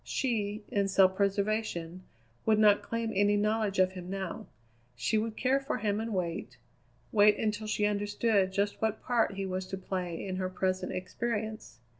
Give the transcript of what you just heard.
She, in self preservation, would not claim any knowledge of him now; she would care for him and wait wait until she understood just what part he was to play in her present experience.